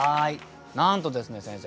なんとですね先生